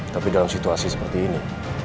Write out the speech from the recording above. tapi dalam situasi seperti ini